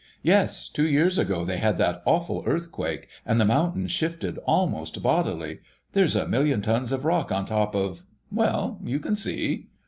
"Yes; two years ago they had that awful earthquake, and the mountain shifted almost bodily; there's a million tons of rock on top of—well, you can see!"